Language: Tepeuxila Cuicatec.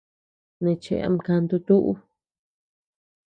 Neʼe cheʼe ama kantu tuʼu.